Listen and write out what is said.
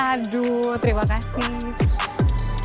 aduh terima kasih